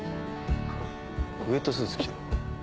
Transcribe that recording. ウエットスーツ着てる。